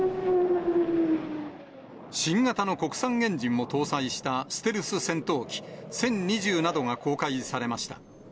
新型の国産エンジンも搭載したステルス戦闘機、殲２０などが公開されました。